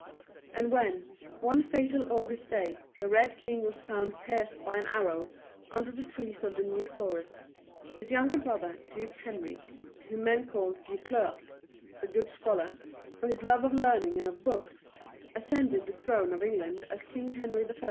And when, one fatal August day, the Red King was found pierced by an arrow under the trees of the New Forest, his younger brother, Duke Henry, whom men called Beauclerc, "the good scholar," for his love of learning and of books, ascended the throne of England as King Henry I.